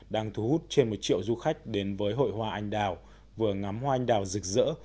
đang thu hút trên một triệu du khách đến với hội hoa anh đào vừa ngắm hoa anh đào rực rỡ